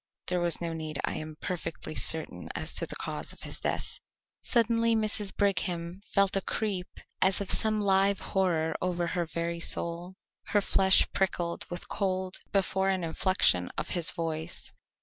"There was no need. I am perfectly certain as to the cause of his death." Suddenly Mrs. Brigham felt a creep as of some live horror over her very soul. Her flesh prickled with cold, before an inflection of his voice.